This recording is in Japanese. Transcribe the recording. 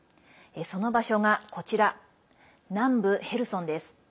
その場所が、こちら南部ヘルソンです。